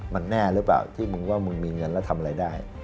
มันแน่หรือเปล่าที่มึงว่ามึงมีเงินแล้วทำอะไรได้